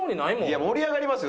いや盛り上がりますよ。